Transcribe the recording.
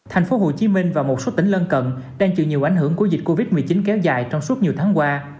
thành phố hồ chí minh và một số tỉnh lân cận đang chịu nhiều ảnh hưởng của dịch covid một mươi chín kéo dài trong suốt nhiều tháng qua